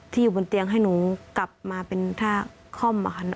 อยู่บนเตียงให้หนูกลับมาเป็นท่าค่อม